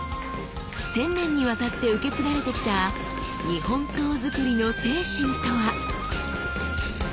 千年にわたって受け継がれてきた日本刀づくりの精神とは？